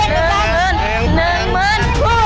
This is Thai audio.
หนึ่งหมื่นหนึ่งหมื่น